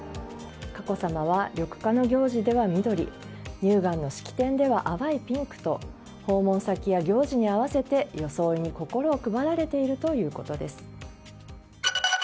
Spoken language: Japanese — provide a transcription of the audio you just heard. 佳子さまは緑化の行事では緑乳がんの式典では淡いピンクと訪問先や行事に合わせて装いに心を配られているということです。